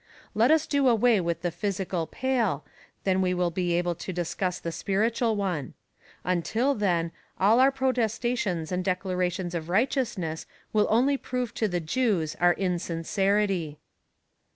Let us do away with the physical Pale, then we will be able to discuss the spiritual one. Until then, all our protestations and declarations of righteousness will only prove to the Jews our insincerity.